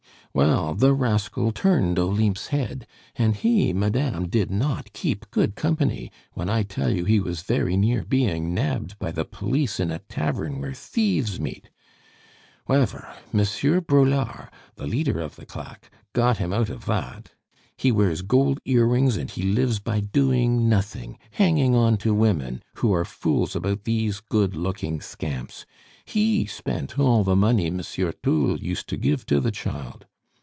"Well, the rascal turned Olympe's head, and he, madame, did not keep good company when I tell you he was very near being nabbed by the police in a tavern where thieves meet. 'Wever, Monsieur Braulard, the leader of the claque, got him out of that. He wears gold earrings, and he lives by doing nothing, hanging on to women, who are fools about these good looking scamps. He spent all the money Monsieur Thoul used to give the child.